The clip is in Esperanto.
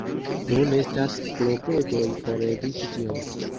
Nun estas klopodoj por eviti tion.